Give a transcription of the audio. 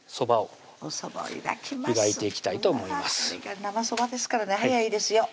これが生そばですからね早いですよ